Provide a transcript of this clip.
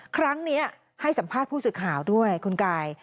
ครั้งนี้ให้สัมภาษณ์ผู้สื่อข่าวด้วยคุณกาย